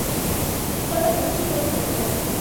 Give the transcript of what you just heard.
خپله خوښي وښودله.